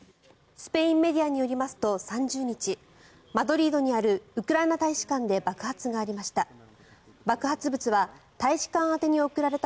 スペインメディアによりますと３０日、マドリードにあるウクライナ大使館で爆発がありました。